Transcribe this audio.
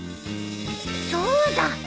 そうだ！